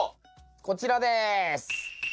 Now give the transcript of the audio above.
こちらです。